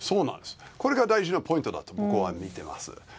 これが大事なポイントだと僕は見てます。